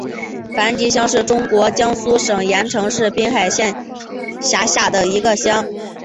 樊集乡是中国江苏省盐城市滨海县下辖的一个乡。